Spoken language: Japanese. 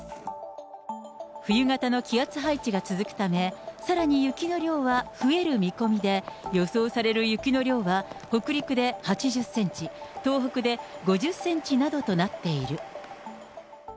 冬型の気圧配置が続くため、さらに雪の量は増える見込みで、予想される雪の量は、北陸で８０センチ、東北で５０センチなどとなっている。